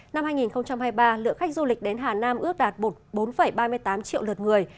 năm hai nghìn hai mươi ba lượng khách du lịch đến hà nam ước đạt bốn ba mươi tám triệu lượt người